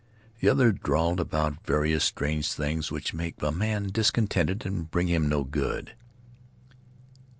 The others drawled about various strange things which make a man discontented and bring him no good.